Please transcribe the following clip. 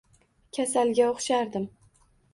Kasalga o`xshardim